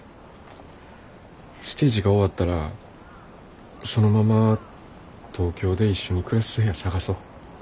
ステージが終わったらそのまま東京で一緒に暮らす部屋探そう。